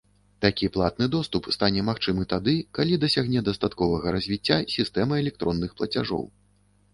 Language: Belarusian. Такі платны доступ стане магчымы тады, калі дасягне дастатковага развіцця сістэма электронных плацяжоў.